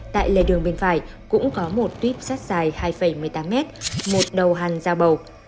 tại lề đường bên phải cũng có một tuyếp sắt dài hai một mươi tám m một đầu hẳn ra bầu